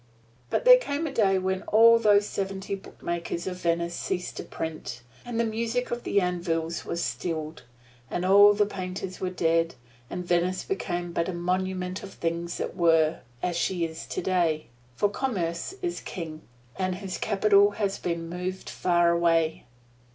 But there came a day when all those seventy bookmakers of Venice ceased to print, and the music of the anvils was stilled, and all the painters were dead, and Venice became but a monument of things that were, as she is today; for Commerce is King, and his capital has been moved far away.